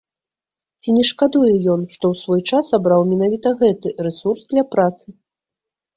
Ці не шкадуе ён, што ў свой час абраў менавіта гэты рэсурс для працы?